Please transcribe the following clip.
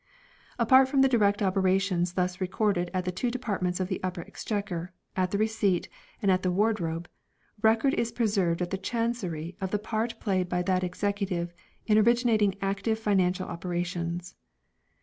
Apart from the direct operations thus recorded at the two departments of the Upper Exchequer, at the Receipt, and at the Wardrobe, Record is preserved at the Chancery of the part played by that Executive in originating active financial operations.